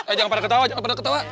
eh jangan pada ketawa pada ketawa